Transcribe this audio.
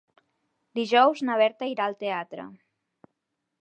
Dijous na Berta irà al teatre.